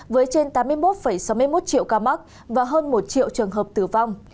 với trên tám mươi một sáu mươi một triệu ca mắc và hơn một triệu trường hợp tử vong